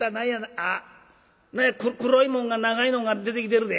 あっ何や黒いもんが長いのんが出てきてるで。